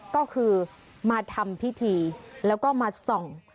ก็คือมาทำพิธีแล้วก็มาส่อง